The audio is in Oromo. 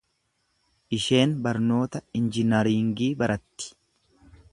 Isheen barnoota injinariingii baratti.